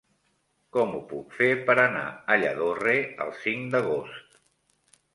Com ho puc fer per anar a Lladorre el cinc d'agost?